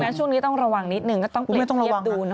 ดังนั้นช่วงนี้ต้องระวังนิดหนึ่งก็ต้องเปลี่ยนเกียบดูหน่อย